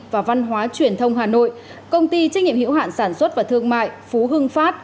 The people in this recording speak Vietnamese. và văn hóa truyền thông hà nội công ty trách nhiệm hiệu hạn sản xuất và thương mại phú hưng phát